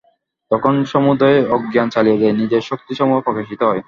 তখন সমুদয় অজ্ঞান চলিয়া যায়, নিজের শক্তিসমূহ প্রকাশিত হয়।